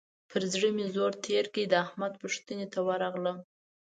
پر زړه مې زور تېر کړ؛ د احمد پوښتنې ته ورغلم.